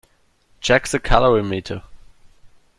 Check the calorimeter.